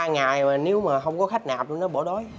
ba ngày mà nếu mà không có khách nạp nữa nó bỏ đói